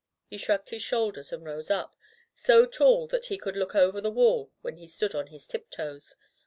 He shrugged his shoulders and rose up — so tall that he could look over the wall when he stood on his tiptoes.